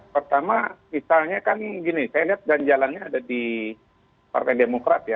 pertama misalnya kan gini saya lihat jalan jalannya ada di partai demokrasi